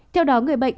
theo đó người bệnh